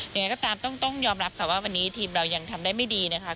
ยังไงก็ตามต้องยอมรับค่ะว่าวันนี้ทีมเรายังทำได้ไม่ดีนะคะ